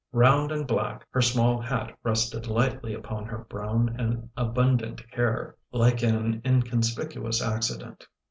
Round and black, her small hat rested lightly upon her brown and abundant hair, like an inconspicuous accident.